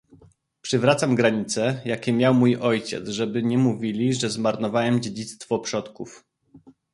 "Przywracam granice, jakie miał mój ojciec, żeby nie mówili, że zmarnowałem dziedzictwo przodków."